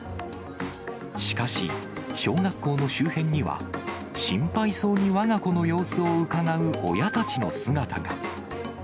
しかし、小学校の周辺には、心配そうにわが子の様子をうかがう親たちの姿が。